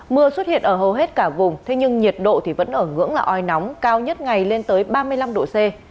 mưa xuất hiện ở hầu hết cả vùng thế nhưng nhiệt độ thì vẫn ở ngưỡng là oi nóng cao nhất ngày lên tới ba mươi năm độ c